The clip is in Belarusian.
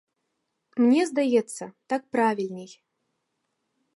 Мне здаецца, так правільней.